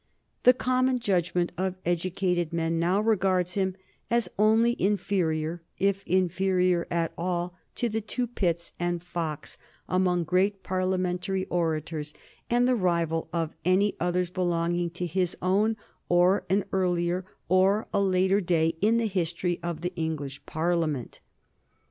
The common judgment of educated men now regards him as only inferior, if inferior at all, to the two Pitts and Fox among great Parliamentary orators, and the rival of any others belonging to his own, or an earlier, or a later day in the history of the English Parliament.